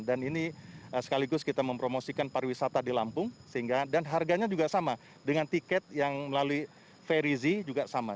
ini sekaligus kita mempromosikan pariwisata di lampung sehingga dan harganya juga sama dengan tiket yang melalui ferizi juga sama